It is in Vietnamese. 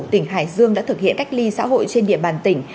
tỉnh hải dương đã thực hiện cách ly xã hội trên địa bàn tỉnh